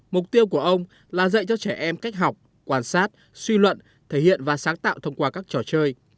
mục tiêu của ông là dạy cho trẻ em cách học quan sát suy luận thể hiện và sáng tạo thông qua các trò chơi